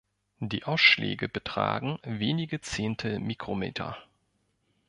Die Ausschläge betragen wenige Zehntel Mikrometer.